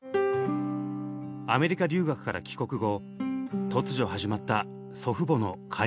アメリカ留学から帰国後突如始まった祖父母の介護生活。